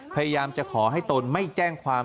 พยายามจะขอให้ตนไม่แจ้งความ